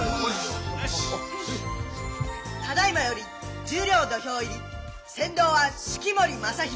ただいまより十両土俵入り先導は式守正浩。